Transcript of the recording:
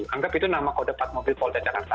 anggap itu nama kode pak mobil polta jakarta